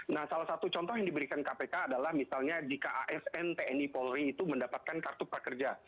nah salah satu contoh yang diberikan kpk adalah misalnya jika asn tni polri itu mendapatkan kartu prakerja